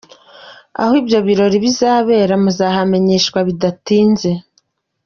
Aho ibyo birori bizabera muzahamenyeshwa bidatinze.